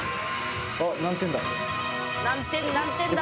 あ何点だ。